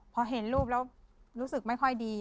พอเห็นรูปแล้วรู้สึกไม่ค่อยดี